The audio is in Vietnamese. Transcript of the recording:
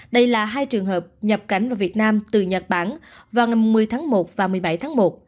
đây là hai trường hợp nhập cảnh vào việt nam từ nhật bản vào ngày một mươi tháng một và một mươi bảy tháng một